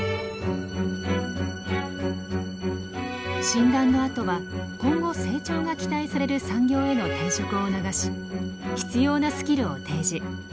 診断のあとは今後成長が期待される産業への転職を促し必要なスキルを提示。